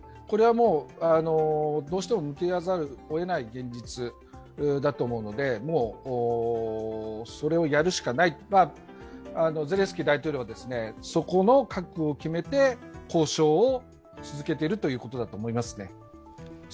これはもう、どうしても向き合わざるを得ない現実だと思うのでもう、それをやるしかないゼレンスキー大統領はそこの覚悟を決めて交渉を続けているということだと思いますね。